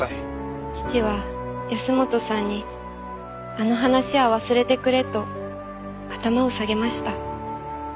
父は保本さんにあの話は忘れてくれと頭を下げました。